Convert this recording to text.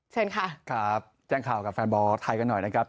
เชิญค่ะครับแจ้งข่าวกับแฟนบอลไทยกันหน่อยนะครับ